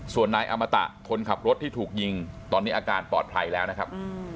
ส่วนนายอมตะคนขับรถที่ถูกยิงตอนนี้อาการปลอดภัยแล้วนะครับ